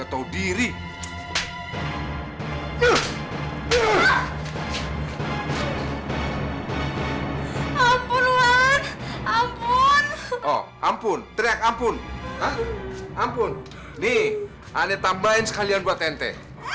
ampun nih ane tambahin sekalian buat ente